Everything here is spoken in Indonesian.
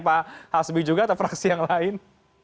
pak hasbi juga atau fraksi yang lain